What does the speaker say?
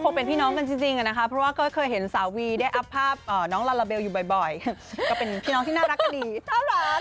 ก็เป็นพี่น้องที่น่ารักก็ดีต้อนรักจ้ะ